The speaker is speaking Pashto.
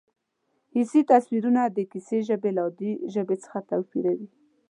حسي تصویرونه د کیسې ژبه له عادي ژبې څخه توپیروي